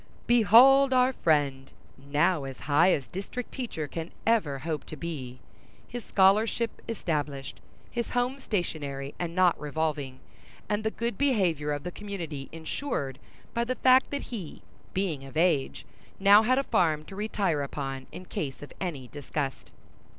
Behold our friend now as high as district teacher can ever hope to be—his scholarship established, his home stationary and not revolving, and the good behavior of the community insured by the fact that he, being of age, had now a farm to retire upon in case of any disgust.